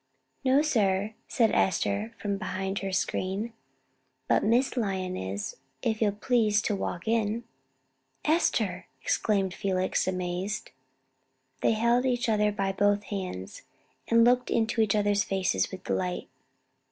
"No, sir," said Esther from behind her screen; "but Miss Lyon is, if you'll please to walk in." "Esther!" exclaimed Felix, amazed. They held each other by both hands, and looked into each other's faces with delight.